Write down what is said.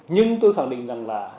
nhưng tôi khẳng định rằng là